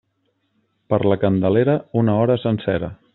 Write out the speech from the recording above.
Per la Candelera, una hora sencera.